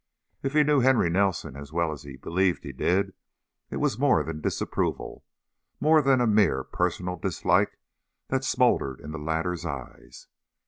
If he knew Henry Nelson as well as he believed he did, it was more than disapproval, more than mere personal dislike, that smoldered in the latter's eyes.